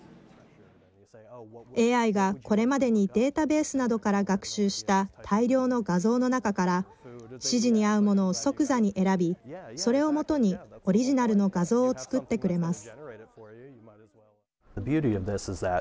ＡＩがこれまでにデータベースなどから学習した大量の画像の中から指示に合うものを即座に選びそれをもとにオリジナルの画像を作ってくれます。